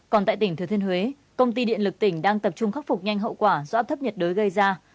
còn tại tỉnh thừa thiên huế công ty điện lực tỉnh đang tập trung khắc phục nhanh hậu quả do áp thấp nhiệt đới gây ra